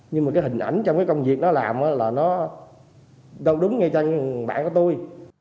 nhưng mà cái hình ảnh trong cái công việc nó làm là nó đúng ngay cho bạn của tôi